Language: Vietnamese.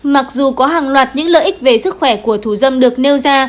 mặc dù có hàng loạt những lợi ích về sức khỏe của thủ dâm được nêu ra